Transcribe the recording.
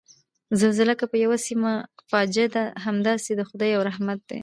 زلزله که په یوه سیمه فاجعه ده، همداسې د خدای یو رحمت دی